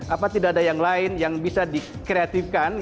apa tidak ada yang lain yang bisa dikreatifkan